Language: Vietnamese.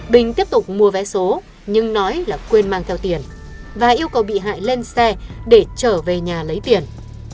bình tiếp tục mua vé số nhưng nói là quên mang theo tiền và yêu cầu bị hại lên xe để trở về nhà lấy tiền